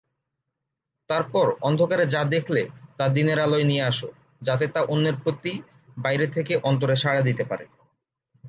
তারপর অন্ধকারে যা দেখলে তা দিনের আলোয় নিয়ে আস যাতে তা অন্যের প্রতি বাইরে থেকে অন্তরে সাড়া দিতে পারে।